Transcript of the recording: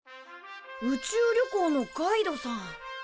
宇宙旅行のガイドさん。